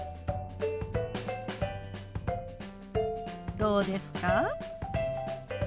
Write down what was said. どうですか？